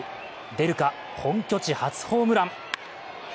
出るか、本拠地初ホームラン。